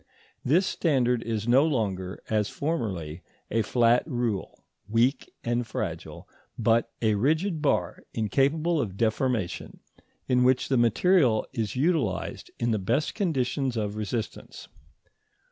This standard is no longer, as formerly, a flat rule, weak and fragile, but a rigid bar, incapable of deformation, in which the material is utilised in the best conditions of resistance.